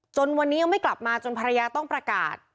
วันนี้ยังไม่กลับมาจนภรรยาต้องประกาศ